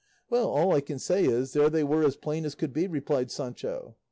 "Well, all I can say is there they were as plain as could be," replied Sancho.